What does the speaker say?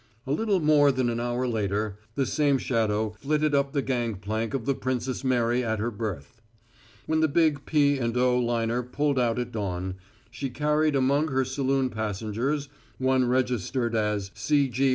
A little more than an hour later, the same shadow flitted up the gangplank of the Princess Mary at her berth. When the big P. & O. liner pulled out at dawn, she carried among her saloon passengers one registered as "C. G.